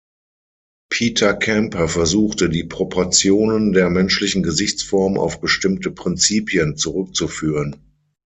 Peter Camper versuchte, die Proportionen der menschlichen Gesichtsform auf bestimmte Prinzipien zurückzuführen.